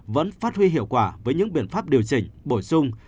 vẫn phát huy hiệu quả với những biện pháp điều chỉnh bổ sung